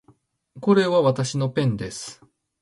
これはわたしのペンです